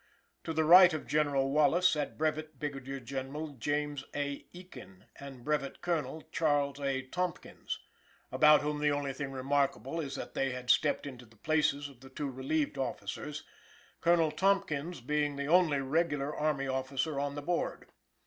To the right of General Wallace sat Brevet Brigadier General James A. Ekin and Brevet Colonel Charles A. Tompkins; about whom the only thing remarkable is that they had stepped into the places of the two relieved officers, Colonel Tompkins being the only regular army officer on the Board.